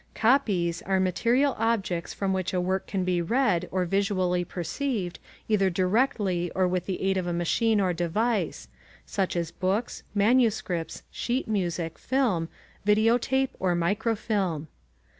"Copies" are material objects from which a work can be read or visually perceived either directly or with the aid of a machine or device, such as books, manuscripts, sheet music, film, videotape, or microfilm.